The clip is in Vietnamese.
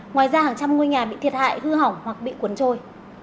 ngoài ra hàng trăm ngôi nhà bị thiệt hại hư hỏng hoặc bị cuốn trôi